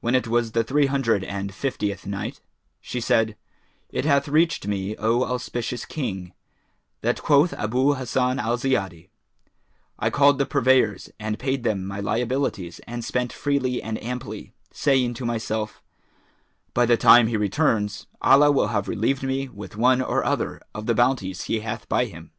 When it was the Three Hundred and Fiftieth Night, She said, It hath reached me, O auspicious King, that quoth Abu Hassan al Ziyadi: "I called the purveyors and paid them my liabilities and spent freely and amply, saying to myself, 'By the time he returns, Allah will have relieved me with one or other of the bounties He hath by Him.'